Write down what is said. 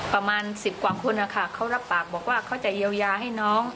ประมาณ๑๐กว่าคนนะคะเขารับปากบอกว่าเขาจะเยียวยาให้น้อง